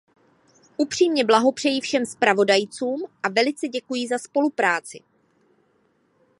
Upřímně blahopřeji všem zpravodajům a velice děkuji za spolupráci.